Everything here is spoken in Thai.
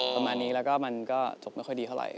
ประมาณนี้แล้วก็มันก็จบไม่ค่อยดีเท่าไหร